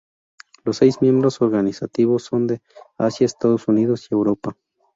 Los seis miembros organizativos son de Asia, Estados Unidos y Europa.